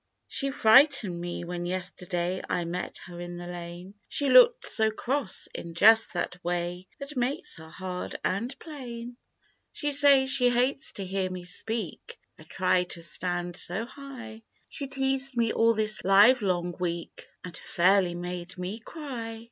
u She frightened me when yesterday I met her in the lane, She looked so cross.; in just that waj That makes her hard and plain ! THE TWO FRIENDS. " She says she hates to hear me speak, I try to stand so high; She teased me all this live long week, And fairly made me cry.